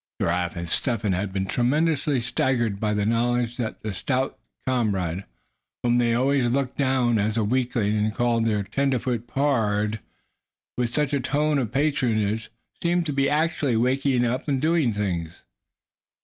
Giraffe and Step Hen had been tremendously staggered by the knowledge that the stout comrade, whom they always looked down on as a weakling, and called their "tenderfoot pard" with such a tone of patronage, seemed to be actually waking up, and doing things.